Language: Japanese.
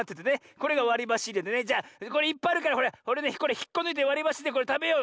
これがわりばしいれでねじゃこれいっぱいあるからほれひっこぬいてわりばしでこれたべよう。